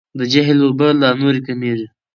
د جهیل اوبه لا نورې کمیږي.